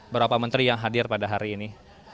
berapa menteri yang hadir pada hari ini